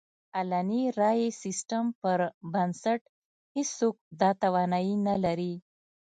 علني رایې سیستم پر بنسټ هېڅوک دا توانایي نه لري.